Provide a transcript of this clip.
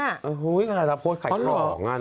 อื้อพี่มันทำโพสต์ไข่ขล่อง